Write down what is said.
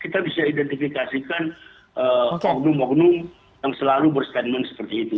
kita bisa identifikasikan oknum oknum yang selalu berstatement seperti itu